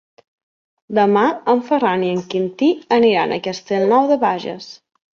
Demà en Ferran i en Quintí aniran a Castellnou de Bages.